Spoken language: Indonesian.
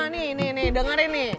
nah nih nih nih dengarnya nih